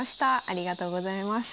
ありがとうございます。